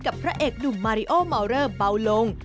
พระเอกหนุ่มมาริโอเมาเลอร์เบาลง